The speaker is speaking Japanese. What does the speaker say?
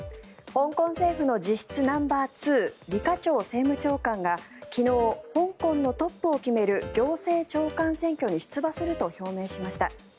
香港政府の実質ナンバーツーリ・カチョウ政務長官が昨日、香港のトップを決める行政長官選挙に出馬すると表明しました。